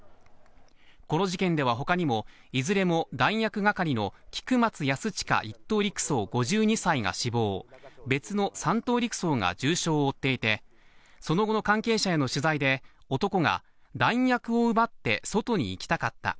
この事件ではほかにも、いずれも弾薬係の菊松安親１等陸曹５２歳が死亡、別の３等陸曹が重傷を負っていて、その後の関係者への取材で、男が、弾薬を奪って外に行きたかった。